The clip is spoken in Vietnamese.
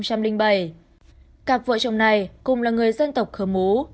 cặp vợ chồng này cùng là người dân tộc khơ mú